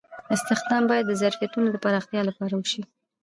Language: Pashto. استخدام باید د ظرفیتونو د پراختیا لپاره وشي.